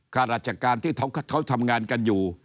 ข้าราชการที่เขาทำงานกันอยู่